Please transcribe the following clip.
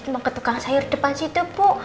mau ke tukang sayur depan situ bu